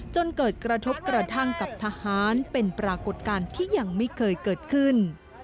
จนเกิดกระทบกระทั่งกับทหารเป็นปรากฏการณ์ที่ยังไม่เคยเกิดขึ้น